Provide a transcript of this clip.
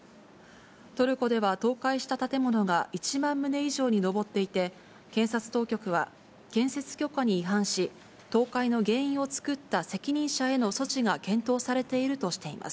トルコでは倒壊した建物が１万棟以上に上っていて、検察当局は、建設許可に違反し、倒壊の原因を作った責任者への措置が検討されているとしています。